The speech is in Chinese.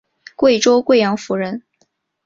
贵州贵阳府人。